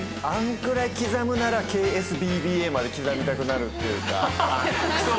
あんくらい刻むならＫＳＢＢＡまで刻みたくなるっていうか。